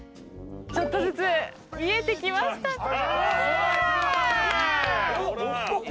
ちょっとずつ見えてきましたね。